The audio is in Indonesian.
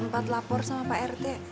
tidak ada tempat lapor sama pak rt